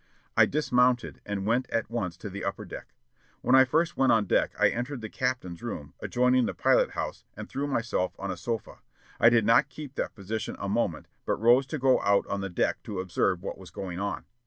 I dismounted and went at once to the upper deck.... When I first went on deck I entered the captain's room, adjoining the pilot house, and threw myself on a sofa. I did not keep that position a moment, but rose to go out on the deck to observe what was going on.